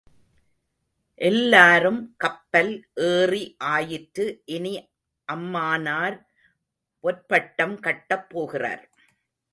எல்லாரும் கப்பல் ஏறி ஆயிற்று இனி அம்மானார் பொற்பட்டம் கட்டப் போகிறார்.